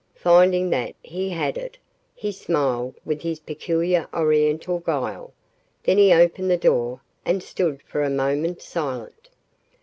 Finding that he had it, he smiled with his peculiar oriental guile. Then he opened the door, and stood for a moment, silent.